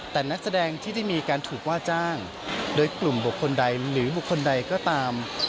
แต่นักแสดงที่ได้มีการถูกว่าจ้างโดยกลุ่มบุคคลใดหรือบุคคลใดก็ตาม